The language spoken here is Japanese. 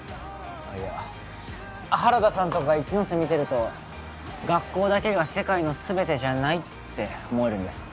あっいや原田さんとか一ノ瀬見てると学校だけが世界の全てじゃないって思えるんです